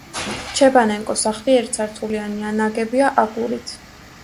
ჩებანენკოს სახლი ერთსართულიანია, ნაგებია აგურით.